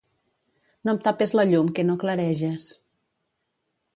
No em tapes la llum, que no clareges.